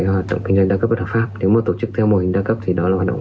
hoạt động kinh doanh đa cấp bất hợp pháp nếu tổ chức theo mô hình đa cấp thì đó là hoạt động